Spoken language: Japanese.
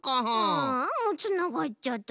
ああもうつながっちゃった。